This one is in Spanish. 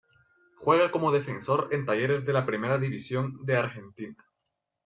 Juega como defensor en Talleres de la Primera División de Argentina.